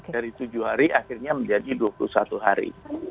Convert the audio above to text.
dari tujuh hari akhirnya menjadi dua puluh satu hari